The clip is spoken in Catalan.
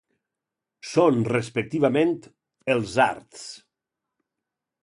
Són, respectivament, els arts.